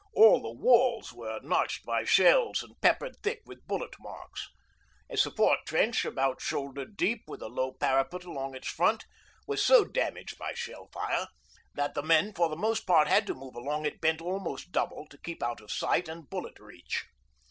All the walls were notched by shells and peppered thick with bullet marks. A support trench about shoulder deep with a low parapet along its front was so damaged by shell fire that the men for the most part had to move along it bent almost double to keep out of sight and bullet reach.